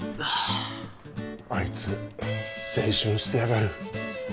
あいつ青春してやがる。